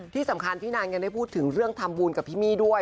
ที่สำคัญพี่นางยังได้พูดถึงเรื่องทำบุญกับพี่มี่ด้วย